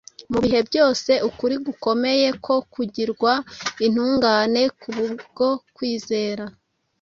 Mu bihe byose ukuri gukomeye ko kugirwa intungane kubwo kwizera